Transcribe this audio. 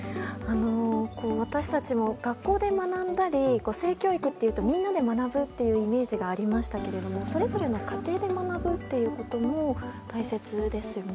私たちも学校で学んだり性教育というとみんなで学ぶというイメージがありましたけどそれぞれの家庭で学ぶということも大切ですよね。